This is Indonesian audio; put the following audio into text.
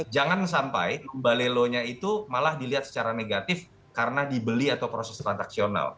jangan sampai mbak lelonya itu malah dilihat secara negatif karena dibeli atau proses transaksional